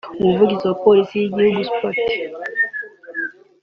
umuvugizi wa polisi y’igihugu Supt